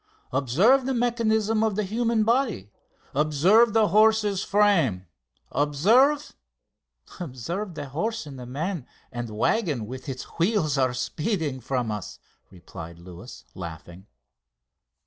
Observe the mechanism of the human body; observe the horse's frame; observe...." "Observe that horse and man and waggon with its wheels are speeding from us," replied Luis, laughing.